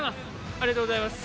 ありがとうございます。